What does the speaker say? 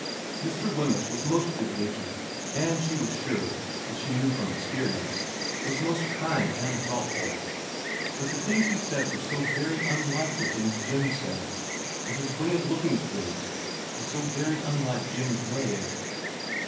Mr. Wemyss was most good natured, and she was sure, and as she knew from experience, was most kind and thoughtful ; but the things he said were so very unlike the things Jim said, and his way of looking at things was so very unlike Jim's way.